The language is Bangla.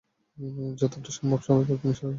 যতোটা সম্ভব সবাই দক্ষিণে সরে যান!